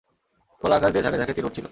খোলা আকাশ দিয়ে ঝাঁকে ঝাঁকে তীর উড়ছিল।